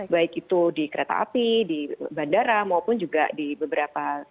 baik itu di kereta api di bandara maupun juga di beberapa